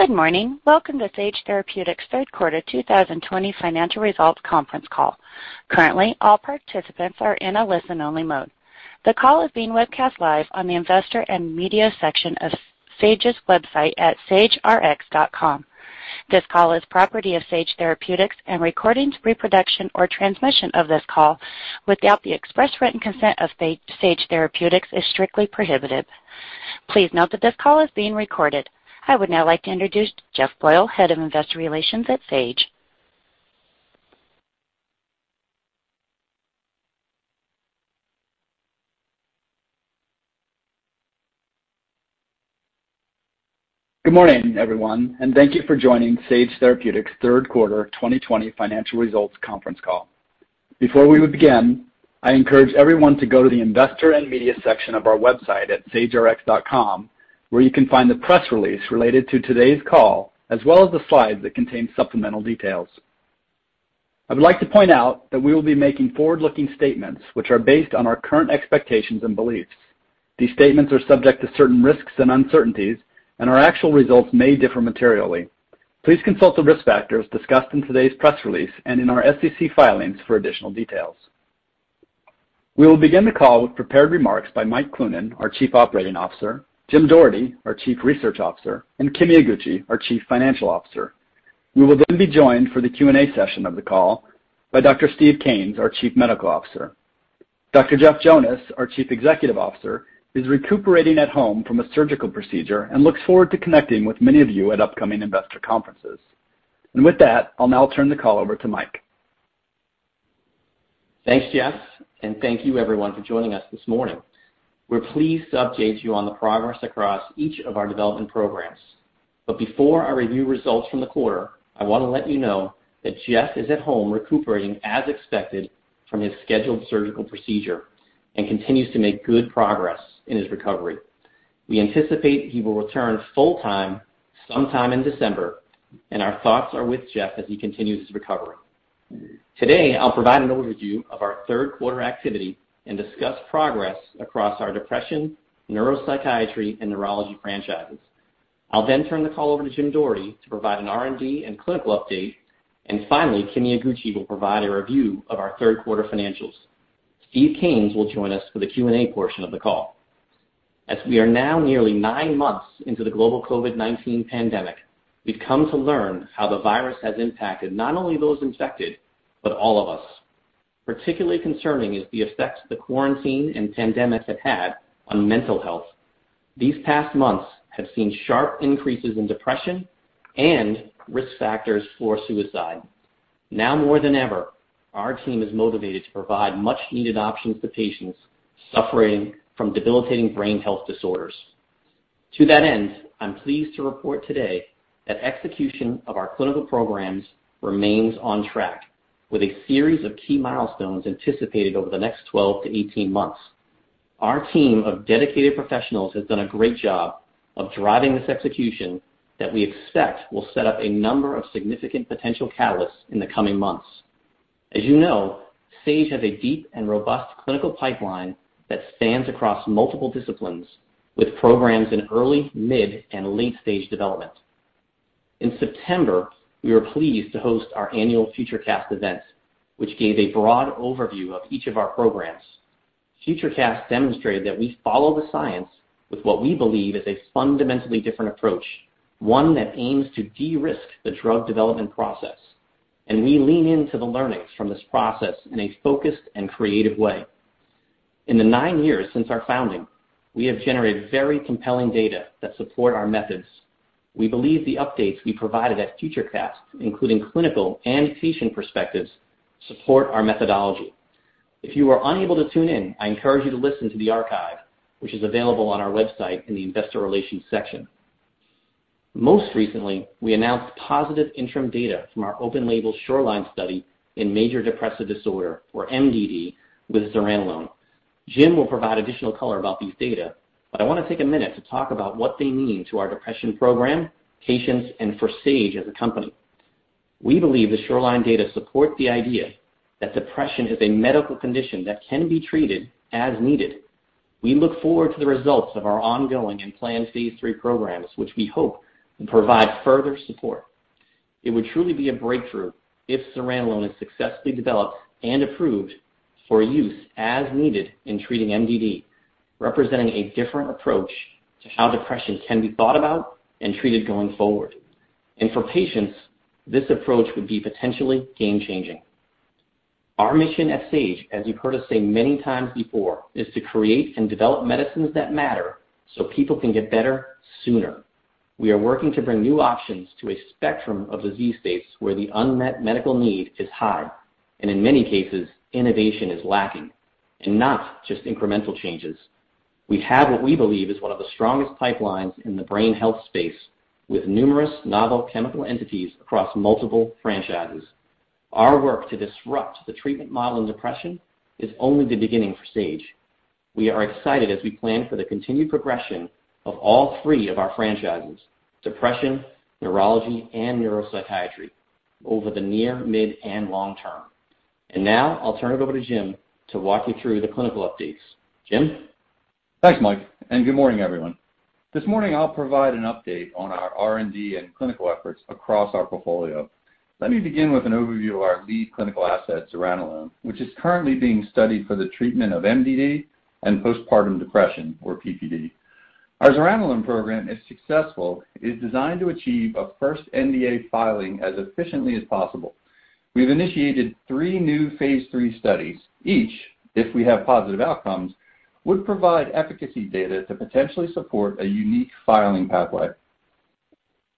Good morning. Welcome to Sage Therapeutics' third quarter 2020 financial results conference call. Currently, all participants are in a listen-only mode. The call is being webcast live on the Investor and Media section of Sage's website at sagerx.com. This call is property of Sage Therapeutics, and recordings, reproduction or transmission of this call without the express written consent of Sage Therapeutics is strictly prohibited. Please note that this call is being recorded. I would now like to introduce Jeff Boyle, Head of Investor Relations at Sage. Good morning, everyone, and thank you for joining Sage Therapeutics' third quarter 2020 financial results conference call. Before we begin, I encourage everyone to go to the Investor and Media section of our website at sagerx.com, where you can find the press release related to today's call, as well as the slides that contain supplemental details. I would like to point out that we will be making forward-looking statements, which are based on our current expectations and beliefs. These statements are subject to certain risks and uncertainties. Our actual results may differ materially. Please consult the risk factors discussed in today's press release and in our SEC filings for additional details. We will begin the call with prepared remarks by Mike Cloonan, our Chief Operating Officer, Jim Doherty, our Chief Research Officer, and Kimi Iguchi, our Chief Financial Officer. We will then be joined for the Q&A session of the call by Dr. Steve Kanes, our Chief Medical Officer. Dr. Jeff Jonas, our Chief Executive Officer, is recuperating at home from a surgical procedure and looks forward to connecting with many of you at upcoming investor conferences. With that, I'll now turn the call over to Mike. Thanks, Jeff, and thank you, everyone, for joining us this morning. We're pleased to update you on the progress across each of our development programs. Before I review results from the quarter, I want to let you know that Jeff is at home recuperating as expected from his scheduled surgical procedure and continues to make good progress in his recovery. We anticipate he will return full time sometime in December. Our thoughts are with Jeff as he continues his recovery. Today, I'll provide an overview of our third quarter activity and discuss progress across our depression, neuropsychiatry, and neurology franchises. I'll turn the call over to Jim Doherty to provide an R&D and clinical update. Finally, Kimi Iguchi will provide a review of our third quarter financials. Steve Kanes will join us for the Q&A portion of the call. As we are now nearly nine months into the global COVID-19 pandemic, we've come to learn how the virus has impacted not only those infected, but all of us. Particularly concerning is the effects the quarantine and pandemic have had on mental health. These past months have seen sharp increases in depression and risk factors for suicide. Now more than ever, our team is motivated to provide much needed options to patients suffering from debilitating brain health disorders. To that end, I'm pleased to report today that execution of our clinical programs remains on track with a series of key milestones anticipated over the next 12 to 18 months. Our team of dedicated professionals has done a great job of driving this execution that we expect will set up a number of significant potential catalysts in the coming months. As you know, Sage has a deep and robust clinical pipeline that spans across multiple disciplines with programs in early, mid, and late-stage development. In September, we were pleased to host our annual FutureCast event, which gave a broad overview of each of our programs. FutureCast demonstrated that we follow the science with what we believe is a fundamentally different approach, one that aims to de-risk the drug development process. We lean into the learnings from this process in a focused and creative way. In the nine years since our founding, we have generated very compelling data that support our methods. We believe the updates we provided at FutureCast, including clinical and patient perspectives, support our methodology. If you were unable to tune in, I encourage you to listen to the archive, which is available on our website in the Investor Relations section. Most recently, we announced positive interim data from our open labelSHORELINE study in major depressive disorder or MDD with zuranolone. Jim will provide additional color about these data, but I want to take a minute to talk about what they mean to our depression program, patients, and for Sage as a company. We believe theSHORELINE data support the idea that depression is a medical condition that can be treated as needed. We look forward to the results of our ongoing and planned phase III programs, which we hope will provide further support. It would truly be a breakthrough if zuranolone is successfully developed and approved for use as needed in treating MDD, representing a different approach to how depression can be thought about and treated going forward. For patients, this approach would be potentially game changing. Our mission at Sage, as you've heard us say many times before, is to create and develop medicines that matter so people can get better sooner. We are working to bring new options to a spectrum of disease states where the unmet medical need is high, and in many cases, innovation is lacking, not just incremental changes. We have what we believe is one of the strongest pipelines in the brain health space, with numerous novel chemical entities across multiple franchises. Our work to disrupt the treatment model in depression is only the beginning for Sage. We are excited as we plan for the continued progression of all three of our franchises, depression, neurology, and neuropsychiatry over the near, mid, and long term. Now I'll turn it over to Jim to walk you through the clinical updates. Jim? Thanks, Mike. Good morning, everyone. This morning I'll provide an update on our R&D and clinical efforts across our portfolio. Let me begin with an overview of our lead clinical asset, zuranolone, which is currently being studied for the treatment of MDD and postpartum depression, or PPD. Our zuranolone program, if successful, is designed to achieve a first NDA filing as efficiently as possible. We've initiated three new phase III studies, each, if we have positive outcomes, would provide efficacy data to potentially support a unique filing pathway.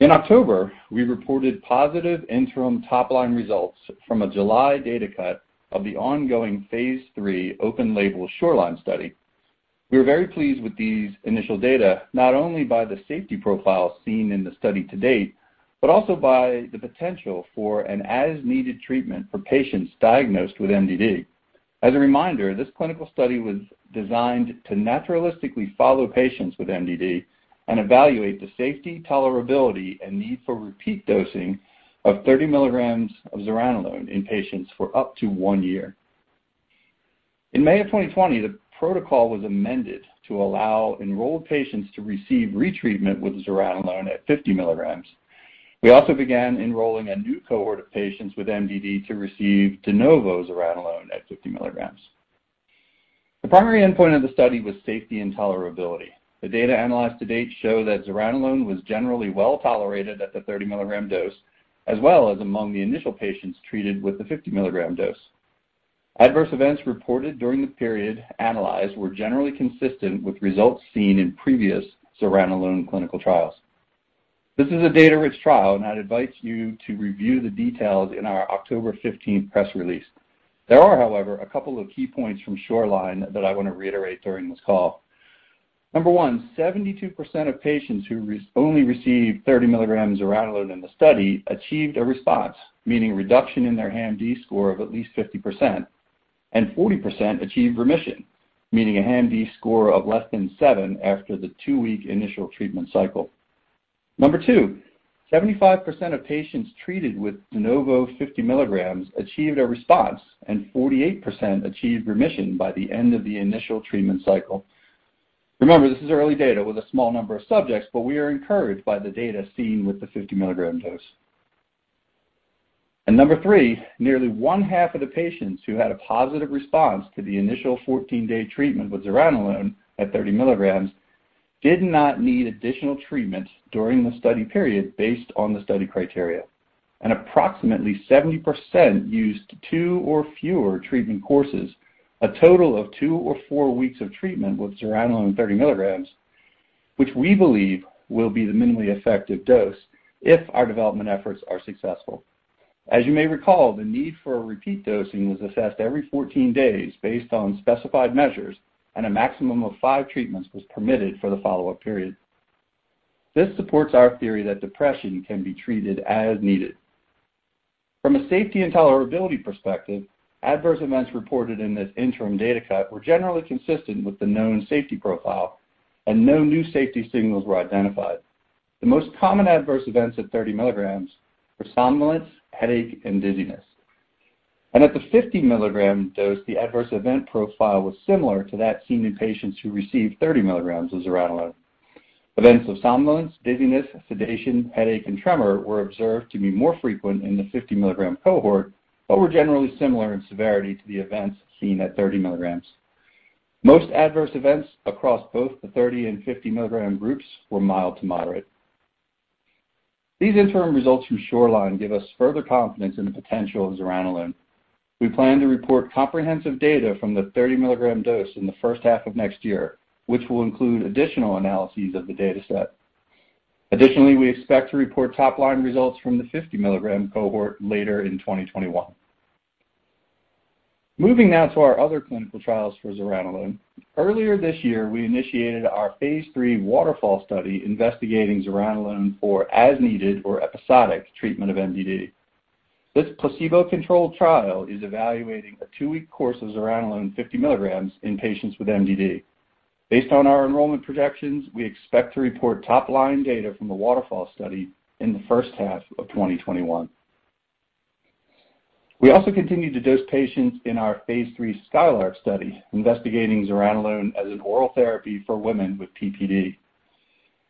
In October, we reported positive interim top-line results from a July data cut of the ongoing phase III open-labelSHORELINE study. We were very pleased with these initial data, not only by the safety profile seen in the study to date, but also by the potential for an as-needed treatment for patients diagnosed with MDD. As a reminder, this clinical study was designed to naturalistically follow patients with MDD and evaluate the safety, tolerability, and need for repeat dosing of 30 milligrams of zuranolone in patients for up to one year. In May of 2020, the protocol was amended to allow enrolled patients to receive retreatment with zuranolone at 50 milligrams. We also began enrolling a new cohort of patients with MDD to receive de novo zuranolone at 50 milligrams. The primary endpoint of the study was safety and tolerability. The data analyzed to date show that zuranolone was generally well-tolerated at the 30 milligram dose, as well as among the initial patients treated with the 50 milligram dose. Adverse Events reported during the period analyzed were generally consistent with results seen in previous zuranolone clinical trials. This is a data-rich trial, and I'd advise you to review the details in our October 15 press release. There are, however, a couple of key points fromSHORELINE that I want to reiterate during this call. Number one, 72% of patients who only received 30 milligrams zuranolone in the study achieved a response, meaning a reduction in their HAM-D score of at least 50%, and 40% achieved remission, meaning a HAM-D score of less than seven after the two-week initial treatment cycle. Number two, 75% of patients treated with de novo 50 milligrams achieved a response, and 48% achieved remission by the end of the initial treatment cycle. Remember, this is early data with a small number of subjects, but we are encouraged by the data seen with the 50 milligram dose. Number three, nearly one half of the patients who had a positive response to the initial 14-day treatment with zuranolone at 30 milligrams did not need additional treatment during the study period based on the study criteria. Approximately 70% used two or fewer treatment courses, a total of two or four weeks of treatment with zuranolone 30 milligrams, which we believe will be the minimally effective dose if our development efforts are successful. As you may recall, the need for repeat dosing was assessed every 14 days based on specified measures, and a maximum of five treatments was permitted for the follow-up period. This supports our theory that depression can be treated as needed. From a safety and tolerability perspective, Adverse Events reported in this interim data cut were generally consistent with the known safety profile, and no new safety signals were identified. The most common adverse events at 30 milligrams were somnolence, headache, and dizziness. At the 50 milligram dose, the adverse event profile was similar to that seen in patients who received 30 milligrams of zuranolone. Events of somnolence, dizziness, sedation, headache, and tremor were observed to be more frequent in the 50 milligram cohort, but were generally similar in severity to the events seen at 30 milligrams. Most adverse events across both the 30 and 50 milligram groups were mild to moderate. These interim results fromSHORELINE give us further confidence in the potential of zuranolone. We plan to report comprehensive data from the 30 milligram dose in the first half of next year, which will include additional analyses of the data set. Additionally, we expect to report top-line results from the 50 milligram cohort later in 2021. Moving now to our other clinical trials for zuranolone. Earlier this year, we initiated our phase III WATERFALL study investigating zuranolone for as-needed or episodic treatment of MDD. This placebo-controlled trial is evaluating a two-week course of zuranolone 50 milligrams in patients with MDD. Based on our enrollment projections, we expect to report top-line data from the WATERFALL study in the first half of 2021. We also continue to dose patients in our phase III SKYLARK study investigating zuranolone as an oral therapy for women with PPD.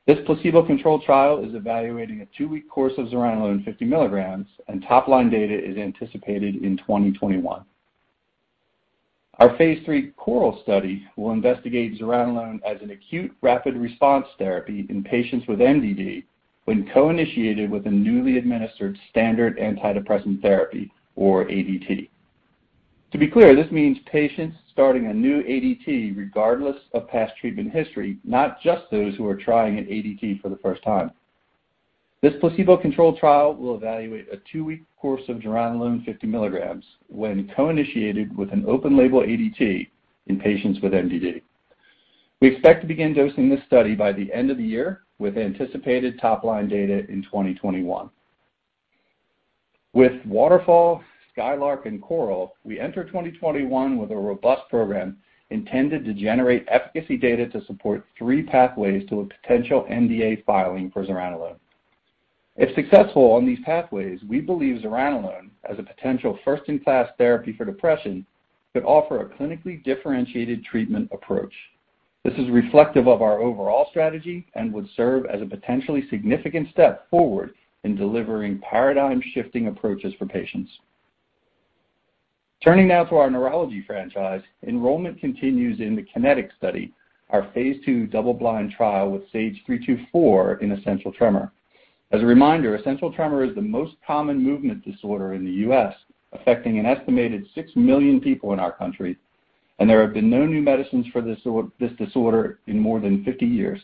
This placebo-controlled trial is evaluating a two-week course of zuranolone 50 milligrams, and top-line data is anticipated in 2021. Our phase III CORAL study will investigate zuranolone as an acute rapid response therapy in patients with MDD when co-initiated with a newly administered standard antidepressant therapy, or ADT. To be clear, this means patients starting a new ADT regardless of past treatment history, not just those who are trying an ADT for the first time. This placebo-controlled trial will evaluate a two-week course of zuranolone 50 milligrams when co-initiated with an open label ADT in patients with MDD. We expect to begin dosing this study by the end of the year, with anticipated top-line data in 2021. With WATERFALL, SKYLARK, and CORAL, we enter 2021 with a robust program intended to generate efficacy data to support three pathways to a potential NDA filing for zuranolone. If successful on these pathways, we believe zuranolone, as a potential first-in-class therapy for depression, could offer a clinically differentiated treatment approach. This is reflective of our overall strategy and would serve as a potentially significant step forward in delivering paradigm-shifting approaches for patients. Turning now to our neurology franchise, enrollment continues in the KINETIC Study, our phase II double-blind trial with SAGE-324 in essential tremor. As a reminder, essential tremor is the most common movement disorder in the U.S., affecting an estimated 6 million people in our country, and there have been no new medicines for this disorder in more than 50 years.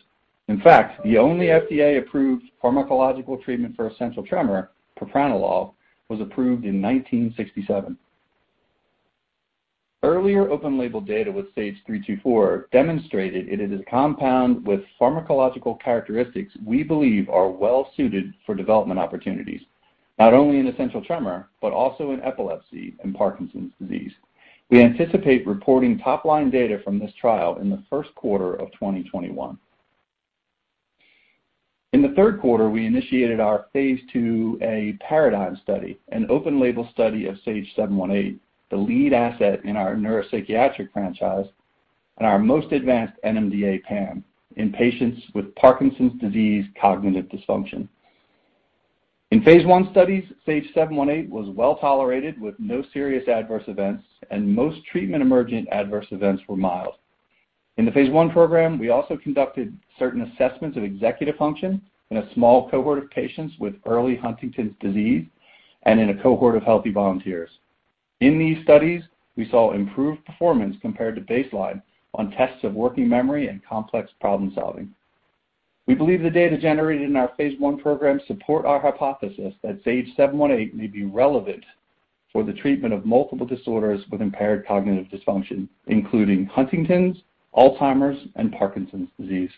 In fact, the only FDA-approved pharmacological treatment for essential tremor, propranolol, was approved in 1967. Earlier open label data with SAGE-324 demonstrated it is a compound with pharmacological characteristics we believe are well suited for development opportunities, not only in essential tremor, but also in epilepsy and Parkinson's disease. We anticipate reporting top-line data from this trial in the first quarter of 2021. In the third quarter, we initiated our phase II-A PARADIGM study, an open-label study of SAGE-718, the lead asset in our neuropsychiatric franchise and our most advanced NMDA PAM in patients with Parkinson's disease cognitive dysfunction. In phase I studies, SAGE-718 was well-tolerated with no serious adverse events, and most treatment-emergent adverse events were mild. In the phase I program, we also conducted certain assessments of executive function in a small cohort of patients with early Huntington's disease and in a cohort of healthy volunteers. In these studies, we saw improved performance compared to baseline on tests of working memory and complex problem-solving. We believe the data generated in our phase I program support our hypothesis that SAGE-718 may be relevant for the treatment of multiple disorders with impaired cognitive dysfunction, including Huntington's, Alzheimer's, and Parkinson's disease.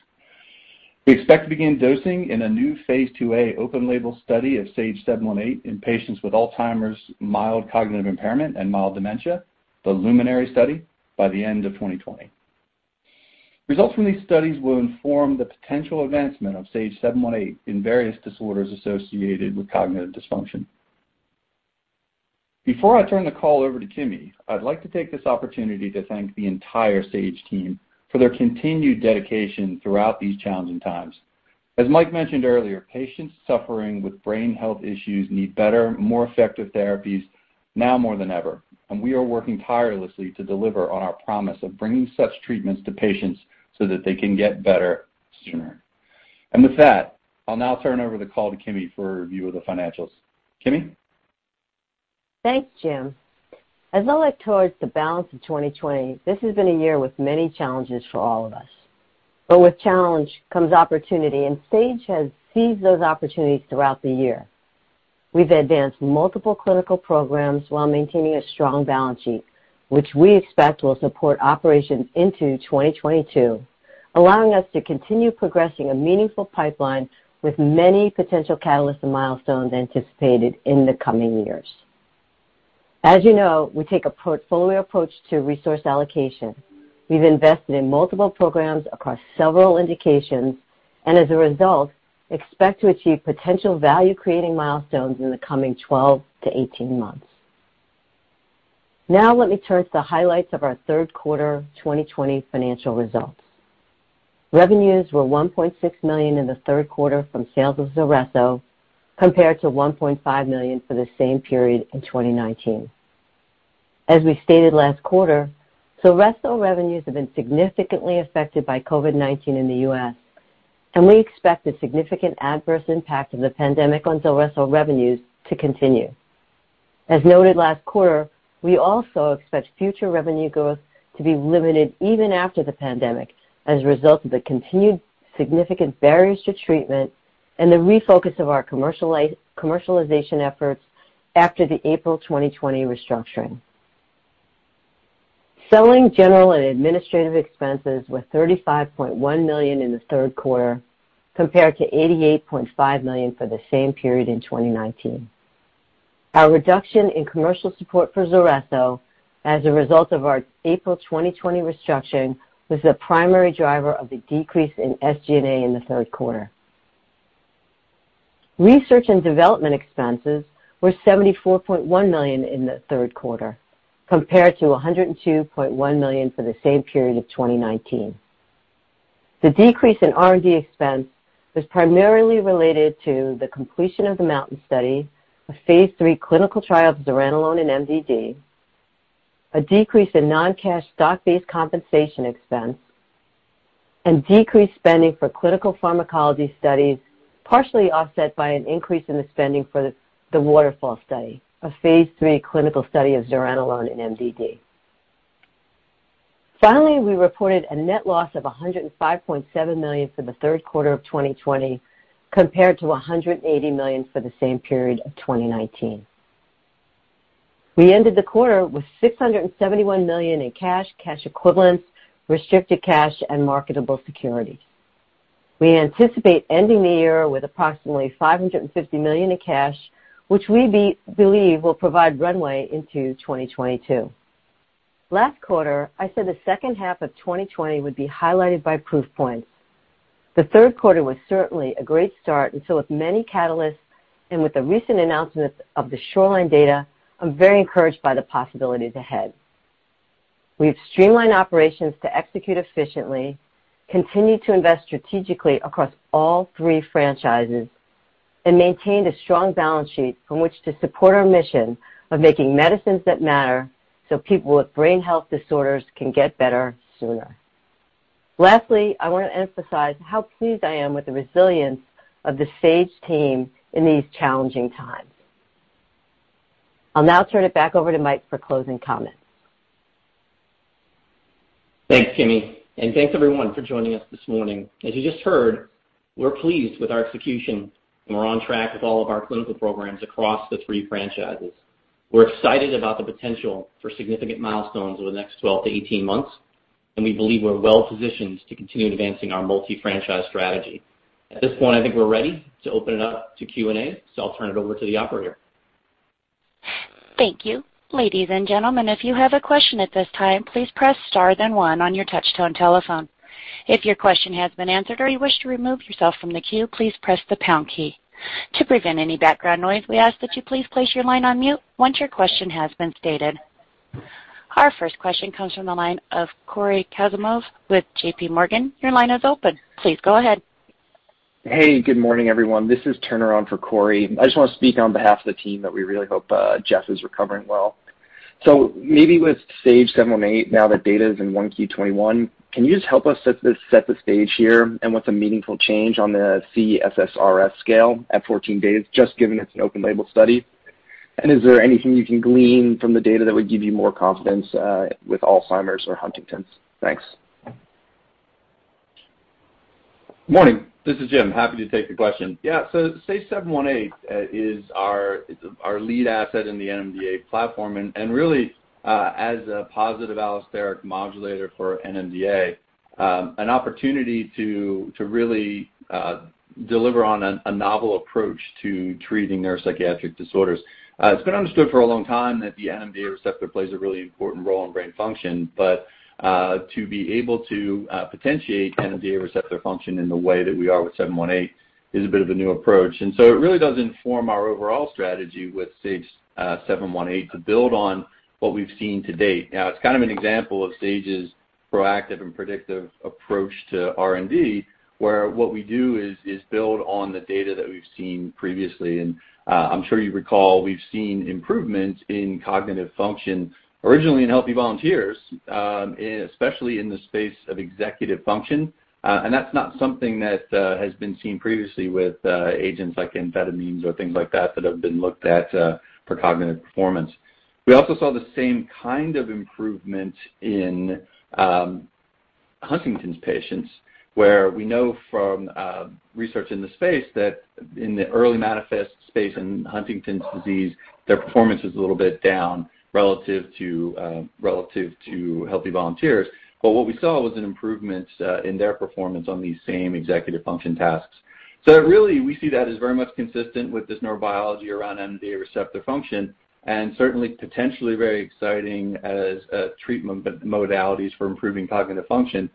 We expect to begin dosing in a new phase II-A open-label study of SAGE-718 in patients with Alzheimer's mild cognitive impairment and mild dementia, the LUMINARY study, by the end of 2020. Results from these studies will inform the potential advancement of SAGE-718 in various disorders associated with cognitive dysfunction. Before I turn the call over to Kimi, I'd like to take this opportunity to thank the entire Sage team for their continued dedication throughout these challenging times. As Mike mentioned earlier, patients suffering with brain health issues need better, more effective therapies now more than ever, we are working tirelessly to deliver on our promise of bringing such treatments to patients so that they can get better sooner. With that, I'll now turn over the call to Kimi for a review of the financials. Kimi? Thanks, Jim. As I look towards the balance of 2020, this has been a year with many challenges for all of us. With challenge comes opportunity, and Sage has seized those opportunities throughout the year. We've advanced multiple clinical programs while maintaining a strong balance sheet, which we expect will support operations into 2022, allowing us to continue progressing a meaningful pipeline with many potential catalysts and milestones anticipated in the coming years. As you know, we take a portfolio approach to resource allocation. We've invested in multiple programs across several indications, as a result, expect to achieve potential value-creating milestones in the coming 12 to 18 months. Let me turn to the highlights of our third quarter 2020 financial results. Revenues were $1.6 million in the third quarter from sales of ZULRESSO, compared to $1.5 million for the same period in 2019. As we stated last quarter, ZULRESSO revenues have been significantly affected by COVID-19 in the U.S., and we expect the significant adverse impact of the pandemic on ZULRESSO revenues to continue. As noted last quarter, we also expect future revenue growth to be limited even after the pandemic as a result of the continued significant barriers to treatment and the refocus of our commercialization efforts after the April 2020 restructuring. Selling, general, and administrative expenses were $35.1 million in the third quarter, compared to $88.5 million for the same period in 2019. Our reduction in commercial support for ZULRESSO as a result of our April 2020 restructuring was the primary driver of the decrease in SG&A in the third quarter. Research and development expenses were $74.1 million in the third quarter, compared to $102.1 million for the same period of 2019. The decrease in R&D expense was primarily related to the completion of the MOUNTAIN study, a phase III clinical trial of zuranolone in MDD, a decrease in non-cash stock-based compensation expense, and decreased spending for clinical pharmacology studies, partially offset by an increase in the spending for the WATERFALL study, a phase III clinical study of zuranolone in MDD. We reported a net loss of $105.7 million for the third quarter of 2020, compared to $180 million for the same period of 2019. We ended the quarter with $671 million in cash equivalents, restricted cash, and marketable securities. We anticipate ending the year with approximately $550 million in cash, which we believe will provide runway into 2022. Last quarter, I said the second half of 2020 would be highlighted by proof points. The third quarter was certainly a great start and filled with many catalysts. With the recent announcements of theSHORELINE data, I'm very encouraged by the possibilities ahead. We've streamlined operations to execute efficiently, continued to invest strategically across all three franchises, and maintained a strong balance sheet from which to support our mission of making medicines that matter so people with brain health disorders can get better sooner. Lastly, I want to emphasize how pleased I am with the resilience of the Sage team in these challenging times. I'll now turn it back over to Mike for closing comments. Thanks, Kimi. Thanks everyone for joining us this morning. As you just heard, we're pleased with our execution, and we're on track with all of our clinical programs across the three franchises. We're excited about the potential for significant milestones over the next 12 to 18 months, and we believe we're well-positioned to continue advancing our multi-franchise strategy. At this point, I think we're ready to open it up to Q&A, so I'll turn it over to the operator. Thank you. Ladies and gentlemen, if you have a question at this time, please press star then one on your touch-tone telephone. If your question has been answered or you wish to remove yourself from the queue, please press the pound key. To prevent any background noise, we ask that you please place your line on mute once your question has been stated. Our first question comes from the line of Cory Kasimov with JPMorgan. Your line is open. Please go ahead. Hey, good morning, everyone. This is Turner Kufe for Cory. I just want to speak on behalf of the team that we really hope Jeff is recovering well. Maybe with SAGE-718, now that data is in 1Q 2021, can you just help us set the stage here and what's a meaningful change on the C-SSRS scale at 14 days, just given it's an open label study? Is there anything you can glean from the data that would give you more confidence with Alzheimer's or Huntington's? Thanks. Morning. This is Jim. Happy to take the question. Yeah. SAGE-718 is our lead asset in the NMDA platform, and really, as a positive allosteric modulator for NMDA, an opportunity to really deliver on a novel approach to treating neuropsychiatric disorders. It's been understood for a long time that the NMDA receptor plays a really important role in brain function. To be able to potentiate NMDA receptor function in the way that we are with 718 is a bit of a new approach. It really does inform our overall strategy with SAGE-718 to build on what we've seen to date. Now it's kind of an example of Sage's proactive and predictive approach to R&D, where what we do is build on the data that we've seen previously. I'm sure you recall, we've seen improvements in cognitive function originally in healthy volunteers, especially in the space of executive function. That's not something that has been seen previously with agents like amphetamines or things like that that have been looked at for cognitive performance. We also saw the same kind of improvement in Huntington's patients, where we know from research in the space that in the early manifest space in Huntington's disease, their performance is a little bit down relative to healthy volunteers. What we saw was an improvement in their performance on these same executive function tasks. Really, we see that as very much consistent with this neurobiology around NMDA receptor function and certainly potentially very exciting as treatment modalities for improving cognitive function.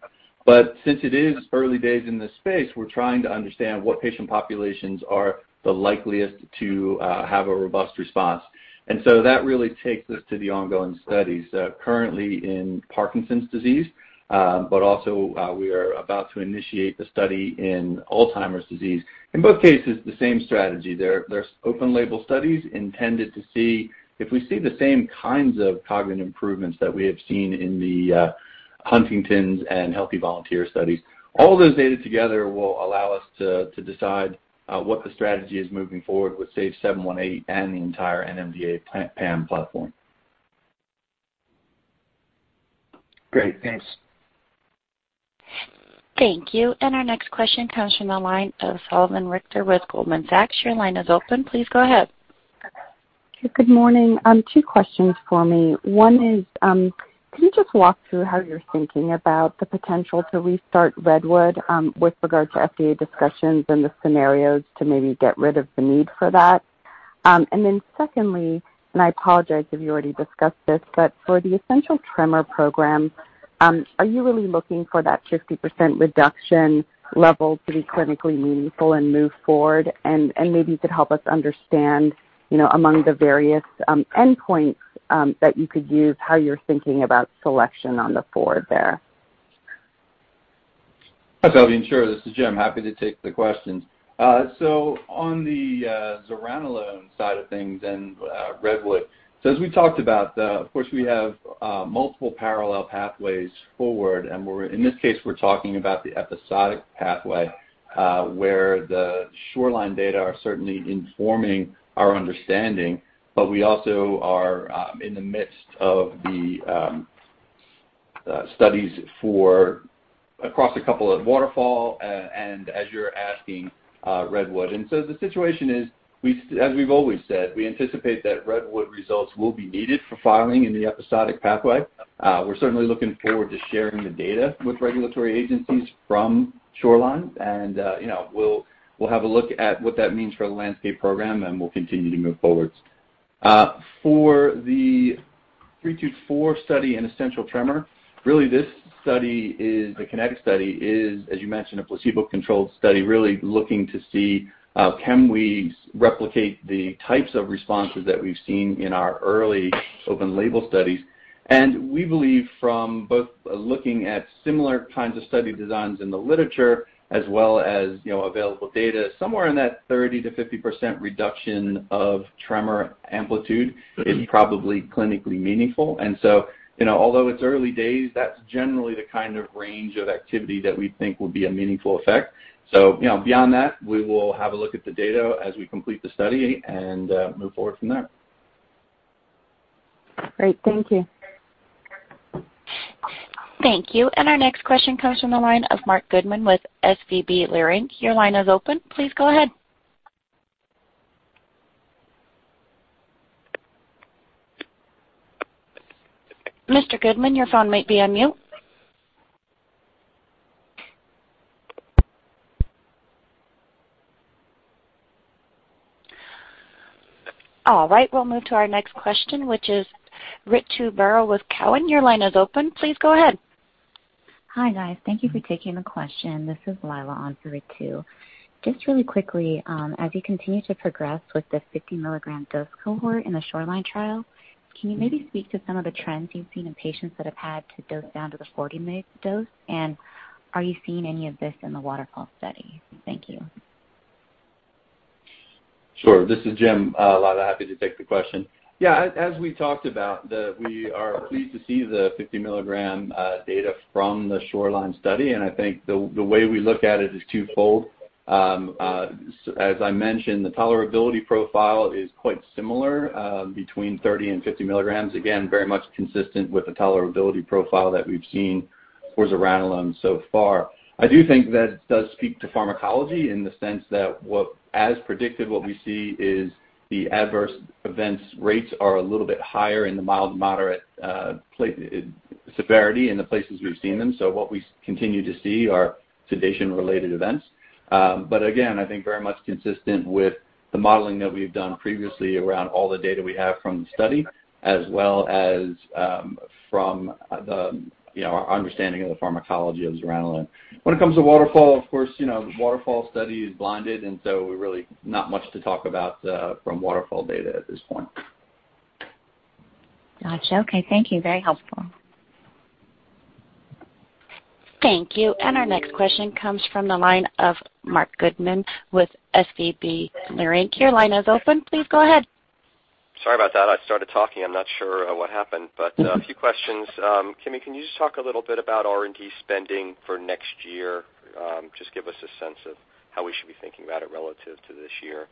Since it is early days in this space, we're trying to understand what patient populations are the likeliest to have a robust response. That really takes us to the ongoing studies currently in Parkinson's disease. Also we are about to initiate the study in Alzheimer's disease. In both cases, the same strategy. They're open label studies intended to see if we see the same kinds of cognitive improvements that we have seen in the Huntington's and healthy volunteer studies. All those data together will allow us to decide what the strategy is moving forward with SAGE-718 and the entire NMDA PAM platform. Great. Thanks. Thank you. Our next question comes from the line of Salveen Richter with Goldman Sachs. Your line is open. Please go ahead. Good morning. Two questions for me. One is can you just walk through how you're thinking about the potential to restart REDWOOD with regard to FDA discussions and the scenarios to maybe get rid of the need for that? Secondly, and I apologize if you already discussed this, but for the essential tremor program, are you really looking for that 50% reduction level to be clinically meaningful and move forward? Maybe you could help us understand among the various endpoints that you could use, how you're thinking about selection on the forward there. Hi, Salveen. Sure. This is Jim. Happy to take the questions. On the zuranolone side of things and REDWOOD, as we talked about, of course, we have multiple parallel pathways forward, and in this case, we're talking about the episodic pathway where theSHORELINE data are certainly informing our understanding. We also are in the midst of the studies for across a couple of WATERFALL and as you're asking, REDWOOD. The situation is, as we've always said, we anticipate that REDWOOD results will be needed for filing in the episodic pathway. We're certainly looking forward to sharing the data with regulatory agencies fromSHORELINE, and we'll have a look at what that means for the LANDSCAPE program, and we'll continue to move forward. For the SAGE-324 study in essential tremor. Really, this study, a KINETIC study, as you mentioned, a placebo-controlled study, really looking to see, can we replicate the types of responses that we've seen in our early open-label studies? We believe from both looking at similar kinds of study designs in the literature as well as available data, somewhere in that 30%-50% reduction of tremor amplitude is probably clinically meaningful. Although it's early days, that's generally the kind of range of activity that we think will be a meaningful effect. Beyond that, we will have a look at the data as we complete the study and move forward from there. Great. Thank you. Thank you. Our next question comes from the line of Marc Goodman with SVB Leerink. Your line is open. Please go ahead. Mr. Goodman, your phone might be on mute. All right, we'll move to our next question, which is Ritu Baral with Cowen. Your line is open. Please go ahead. Hi, guys. Thank you for taking the question. This is Lyla on for Ritu. Really quickly, as you continue to progress with the 50 mg dose cohort in theSHORELINE trial, can you maybe speak to some of the trends you've seen in patients that have had to dose down to the 40 mg dose? Are you seeing any of this in the WATERFALL study? Thank you. Sure. This is Jim. Lyla, happy to take the question. Yeah. As we talked about, we are pleased to see the 50 mg data from theSHORELINE study. I think the way we look at it is twofold. As I mentioned, the tolerability profile is quite similar between 30 and 50 mg. Again, very much consistent with the tolerability profile that we've seen for zuranolone so far. I do think that it does speak to pharmacology in the sense that as predicted, what we see is the AEs rates are a little bit higher in the mild, moderate severity in the places we've seen them. What we continue to see are sedation related events. Again, I think very much consistent with the modeling that we've done previously around all the data we have from the study as well as from our understanding of the pharmacology of zuranolone. When it comes to WATERFALL, of course, the WATERFALL study is blinded, and so really not much to talk about from WATERFALL data at this point. Gotcha. Okay. Thank you. Very helpful. Thank you. Our next question comes from the line of Marc Goodman with SVB Leerink. Your line is open. Please go ahead. Sorry about that. I started talking. I'm not sure what happened, but a few questions. Kimi, can you just talk a little bit about R&D spending for next year? Just give us a sense of how we should be thinking about it relative to this year.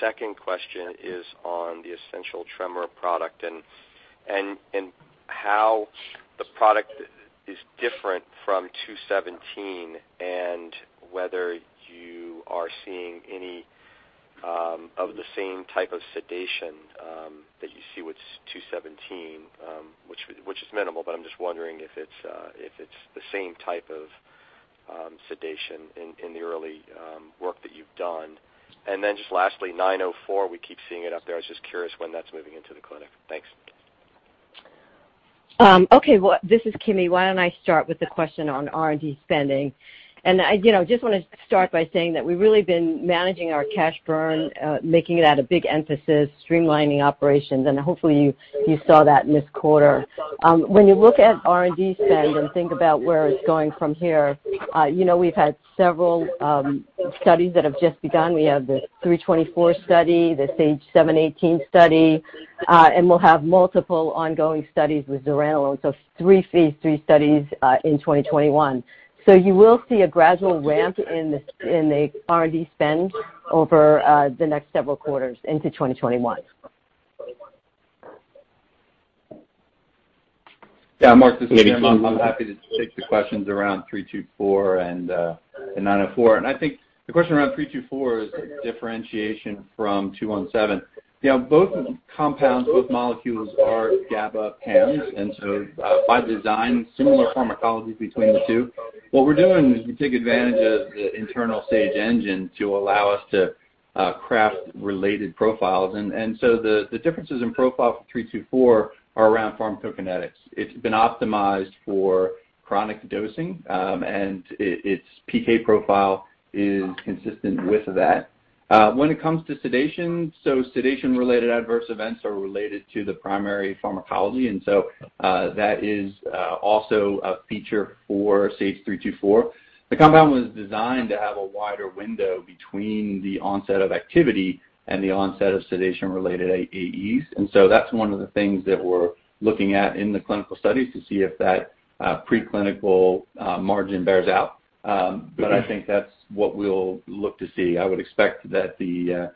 Second question is on the essential tremor product and how the product is different from SAGE-217 and whether you are seeing any of the same type of sedation that you see with SAGE-217, which is minimal, but I'm just wondering if it's the same type of sedation in the early work that you've done. Just lastly, SAGE-904. We keep seeing it up there. I was just curious when that's moving into the clinic. Thanks. Okay. This is Kimi. Why don't I start with the question on R&D spending? I just want to start by saying that we've really been managing our cash burn, making it at a big emphasis, streamlining operations, and hopefully you saw that in this quarter. When you look at R&D spend and think about where it's going from here, we've had several studies that have just begun. We have the SAGE-324 study, the SAGE-718 study, and we'll have multiple ongoing studies with zuranolone. Three phase III studies in 2021. You will see a gradual ramp in the R&D spend over the next several quarters into 2021. Yeah, Marc, this is Jim. I'm happy to take the questions around 324 and SAGE-904. I think the question around 324 is differentiation from SAGE-217. Both compounds, both molecules are GABA PAMs, and so by design, similar pharmacology between the two. What we're doing is we take advantage of the internal Sage engine to allow us to craft related profiles. The differences in profile for 324 are around pharmacokinetics. It's been optimized for chronic dosing, and its PK profile is consistent with that. When it comes to sedation, so sedation related adverse events are related to the primary pharmacology, and so that is also a feature for Sage 324. The compound was designed to have a wider window between the onset of activity and the onset of sedation related AEs. That's one of the things that we're looking at in the clinical studies to see if that preclinical margin bears out. I think that's what we'll look to see. I would expect that the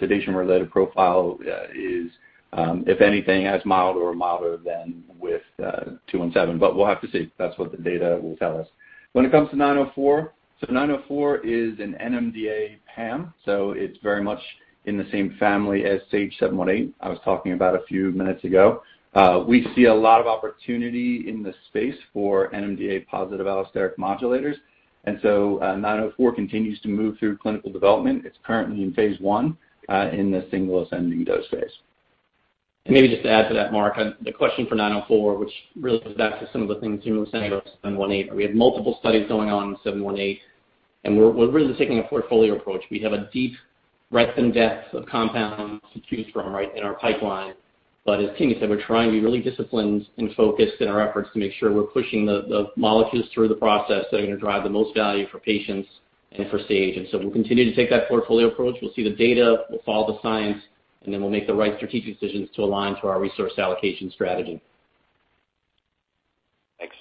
sedation related profile is, if anything, as mild or milder than with SAGE-217, but we'll have to see. That's what the data will tell us. When it comes to SAGE-904, so SAGE-904 is an NMDA PAM, so it's very much in the same family as SAGE-718 I was talking about a few minutes ago. We see a lot of opportunity in the space for NMDA positive allosteric modulators, and so SAGE-904 continues to move through clinical development. It's currently in phase I in the single ascending dose phase. Maybe just to add to that, Marc, the question for SAGE-904, which really goes back to some of the things Jim was saying about SAGE-718. We have multiple studies going on in SAGE-718, and we're really taking a portfolio approach. We have a deep breadth and depth of compounds to choose from in our pipeline. As Kimi has said, we're trying to be really disciplined and focused in our efforts to make sure we're pushing the molecules through the process that are going to drive the most value for patients and for Sage Therapeutics. We'll continue to take that portfolio approach. We'll see the data, we'll follow the science, we'll make the right strategic decisions to align to our resource allocation strategy. Thanks.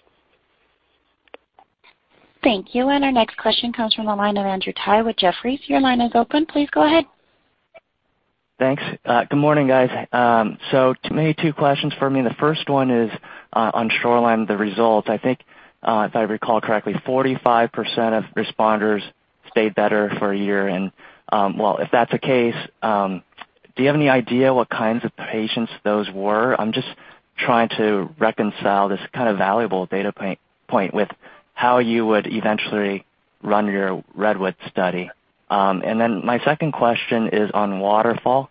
Thank you. Our next question comes from the line of Andrew Tsai with Jefferies. Your line is open. Please go ahead. Thanks. Good morning, guys. Maybe two questions for me. The first one is onSHORELINE, the results. I think, if I recall correctly, 45% of responders stayed better for a year. Well, if that's the case, do you have any idea what kinds of patients those were? I'm just trying to reconcile this kind of valuable data point with how you would eventually run your REDWOOD study. My second question is on WATERFALL.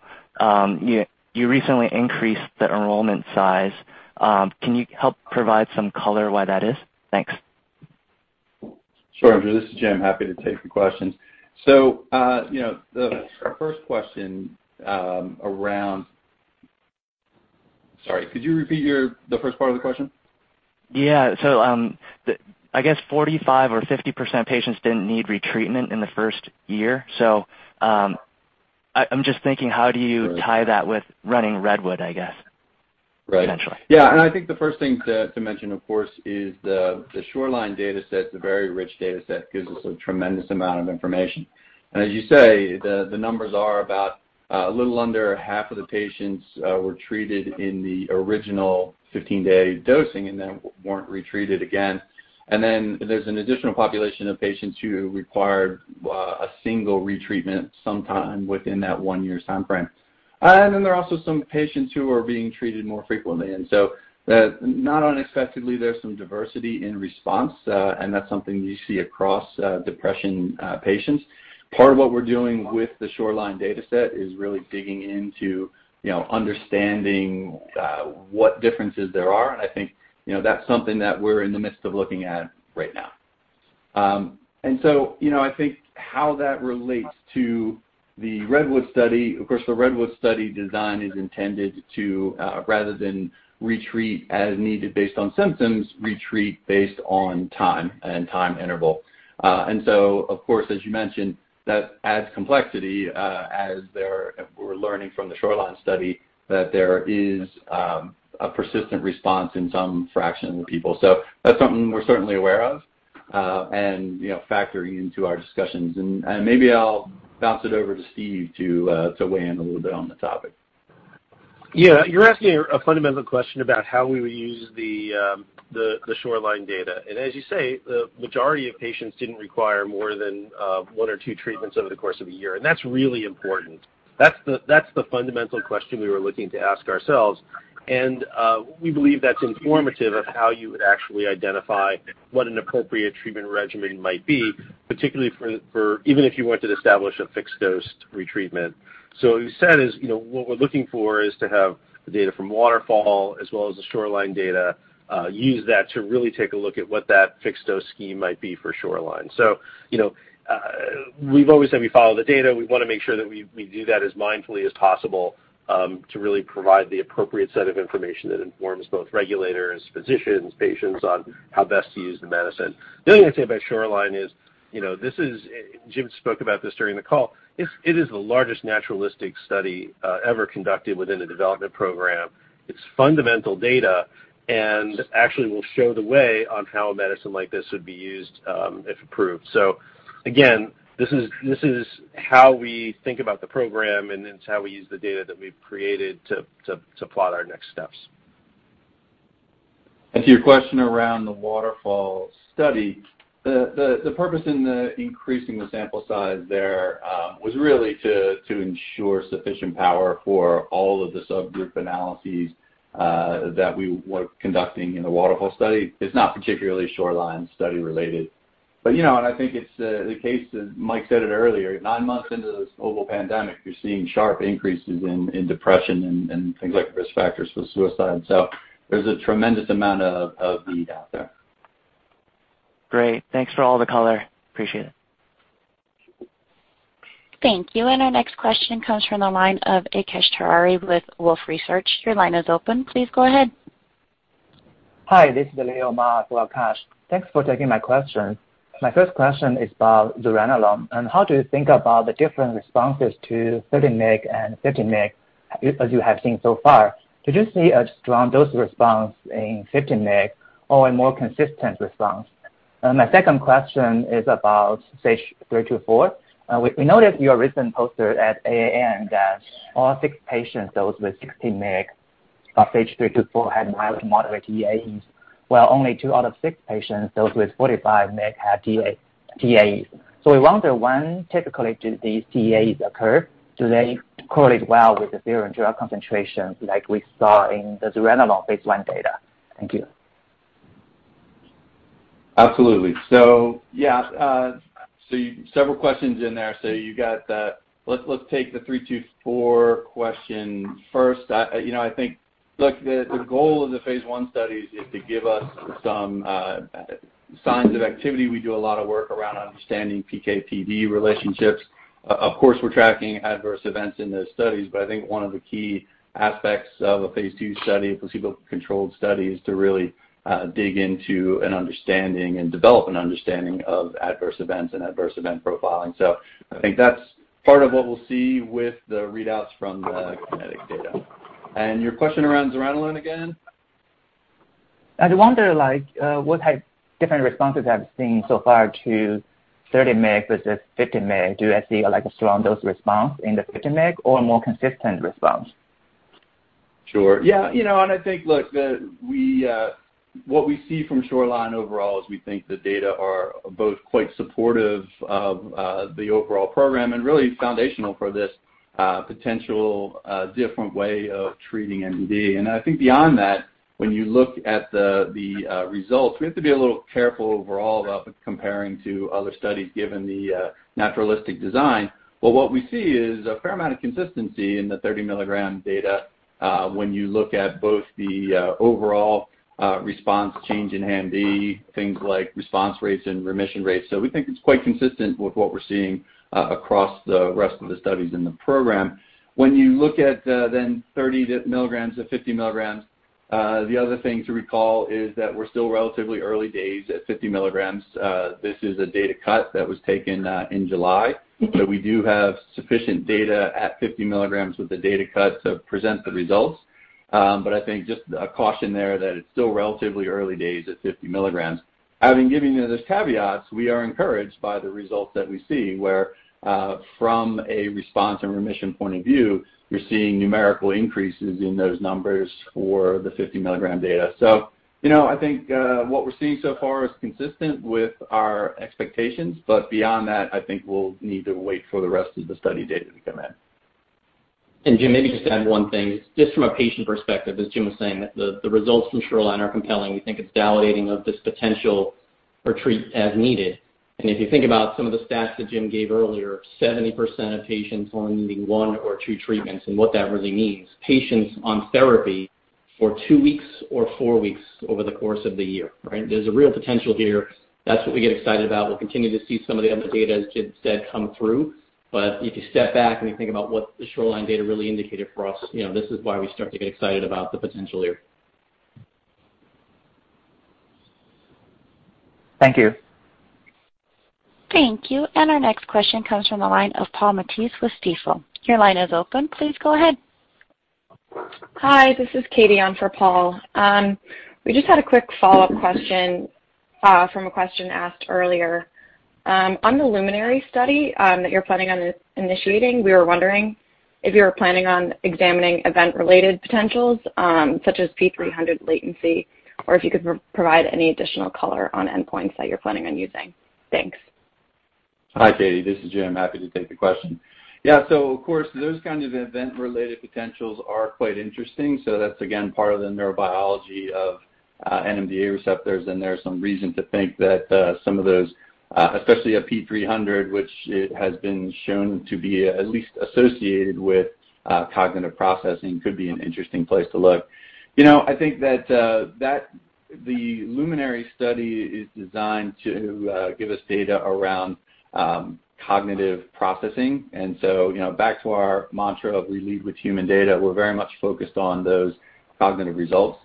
You recently increased the enrollment size. Can you help provide some color why that is? Thanks. Sure, Andrew. This is Jim. Happy to take the questions. Our first question around Sorry, could you repeat the first part of the question? Yeah. I guess 45% or 50% patients didn't need retreatment in the first year. I'm just thinking, how do you tie that with running REDWOOD, I guess? Right eventually. Yeah. I think the first thing to mention, of course, is theSHORELINE data set. It's a very rich data set, gives us a tremendous amount of information. As you say, the numbers are about a little under half of the patients were treated in the original 15-day dosing and then weren't retreated again. Then there's an additional population of patients who required a single retreatment sometime within that one-year timeframe. Then there are also some patients who are being treated more frequently. Not unexpectedly, there's some diversity in response, and that's something you see across depression patients. Part of what we're doing with theSHORELINE data set is really digging into understanding what differences there are, and I think that's something that we're in the midst of looking at right now. I think how that relates to the REDWOOD study, of course, the REDWOOD study design is intended to, rather than retreat as needed based on symptoms, retreat based on time and time interval. Of course, as you mentioned, that adds complexity as we're learning from theSHORELINE study that there is a persistent response in some fraction of the people. That's something we're certainly aware of and factoring into our discussions. Maybe I'll bounce it over to Steve to weigh in a little bit on the topic. Yeah. You're asking a fundamental question about how we would use theSHORELINE data. As you say, the majority of patients didn't require more than one or two treatments over the course of a year, and that's really important. That's the fundamental question we were looking to ask ourselves, and we believe that's informative of how you would actually identify what an appropriate treatment regimen might be, particularly even if you wanted to establish a fixed-dose retreatment. As we said is, what we're looking for is to have the data from Waterfall as well as theSHORELINE data, use that to really take a look at what that fixed-dose scheme might be forSHORELINE. We've always said we follow the data. We want to make sure that we do that as mindfully as possible to really provide the appropriate set of information that informs both regulators, physicians, patients on how best to use the medicine. The only thing I'd say aboutSHORELINE is, Jim spoke about this during the call. It is the largest naturalistic study ever conducted within a development program. It's fundamental data, and actually will show the way on how a medicine like this would be used, if approved. Again, this is how we think about the program, and it's how we use the data that we've created to plot our next steps. To your question around the WATERFALL study, the purpose in increasing the sample size there was really to ensure sufficient power for all of the subgroup analyses that we were conducting in the WATERFALL study. It's not particularlySHORELINE study related. I think it's the case that Mike said it earlier. Nine months into this global pandemic, you're seeing sharp increases in depression and things like risk factors for suicide. There's a tremendous amount of need out there. Great. Thanks for all the color. Appreciate it. Thank you. Our next question comes from the line of Akash Tewari with Wolfe Research. Your line is open. Please go ahead. Hi, this is Leo Ma for Akash. Thanks for taking my questions. My first question is about zuranolone how do you think about the different responses to 30 mg and 50 mg as you have seen so far? Did you see a strong dose response in 50 mg or a more consistent response? My second question is about SAGE-324. We noticed your recent poster at AAN that all six patients, those with 60 mg of SAGE-324 had mild to moderate SAEs, while only two out of six patients, those with 45 mg had SAEs. We wonder when typically do these SAEs occur? Do they correlate well with the serum drug concentrations like we saw in the zuranolone phase I data? Thank you. Absolutely. Yeah, several questions in there. Let's take the 324 question first. I think, look, the goal of the phase I study is to give us some signs of activity. We do a lot of work around understanding PK/PD relationships. Of course, we're tracking adverse events in those studies. I think one of the key aspects of a phase II study, a placebo-controlled study, is to really dig into an understanding and develop an understanding of adverse events and adverse event profiling. I think that's part of what we'll see with the readouts from the KINETIC data. Your question around zuranolone again? I wonder what different responses I've seen so far to 30 mg versus 50 mg. Do I see a strong dose response in the 50 mg or more consistent response? Sure. Yeah. I think what we see fromSHORELINE overall is we think the data are both quite supportive of the overall program and really foundational for this potential different way of treating MDD. I think beyond that, when you look at the results, we have to be a little careful overall about comparing to other studies given the naturalistic design. What we see is a fair amount of consistency in the 30 milligram data when you look at both the overall response change in MDD, things like response rates and remission rates. We think it's quite consistent with what we're seeing across the rest of the studies in the program. When you look at 30 milligrams to 50 milligrams, the other thing to recall is that we're still relatively early days at 50 milligrams. This is a data cut that was taken in July. We do have sufficient data at 50 milligrams with the data cut to present the results. I think just a caution there that it's still relatively early days at 50 milligrams. Having given you those caveats, we are encouraged by the results that we see, where from a response and remission point of view, we're seeing numerical increases in those numbers for the 50 milligram data. I think what we're seeing so far is consistent with our expectations. Beyond that, I think we'll need to wait for the rest of the study data to come in. Jim, maybe just to add one thing. Just from a patient perspective, as Jim was saying, the results fromSHORELINE are compelling. We think it's validating of this potential for treat as needed. If you think about some of the stats that Jim gave earlier, 70% of patients only needing one or two treatments, and what that really means, patients on therapy for two weeks or four weeks over the course of the year, right? There's a real potential here. That's what we get excited about. We'll continue to see some of the other data, as Jim said, come through. If you step back and you think about what theSHORELINE data really indicated for us, this is why we start to get excited about the potential here. Thank you. Thank you. Our next question comes from the line of Paul Matteis with Stifel. Your line is open. Please go ahead. Hi, this is Katie on for Paul. We just had a quick follow-up question from a question asked earlier. On the LUMINARY study that you're planning on initiating, we were wondering if you were planning on examining event-related potentials such as P300 latency, or if you could provide any additional color on endpoints that you're planning on using. Thanks. Hi, Katie. This is Jim. Happy to take the question. Of course, those kinds of event-related potentials are quite interesting. That's again, part of the neurobiology of NMDA receptors, and there's some reason to think that some of those, especially a P300, which it has been shown to be at least associated with cognitive processing, could be an interesting place to look. I think that the LUMINARY study is designed to give us data around cognitive processing, back to our mantra of we lead with human data, we're very much focused on those cognitive results.